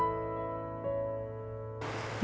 ใช่ค่ะ